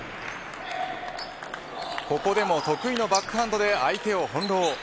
ここでも得意のバックハンドで相手を翻弄。